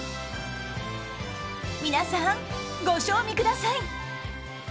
皆さん、ご賞味ください。